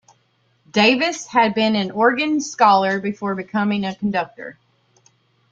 Davis had been an organ scholar before becoming a conductor.